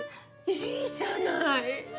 いいじゃない！